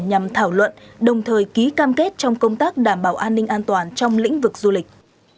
nhằm thảo luận đồng thời ký cam kết trong công tác đảm bảo an ninh an toàn trong lĩnh vực du lịch